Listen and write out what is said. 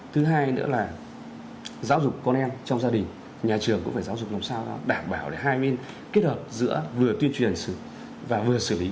thứ hai nữa là giáo dục con em trong gia đình nhà trường cũng phải giáo dục làm sao đảm bảo để hai bên kết hợp giữa vừa tuyên truyền xử và vừa xử lý